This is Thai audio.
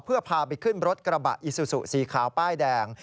เพื่อพาไปขึ้นมหาดกระบะอิซูสุ๔ขาวป้ายแดง